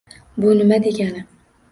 Bu nima degani?